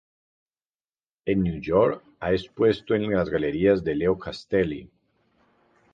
En Nueva York ha expuesto en la galería de Leo Castelli.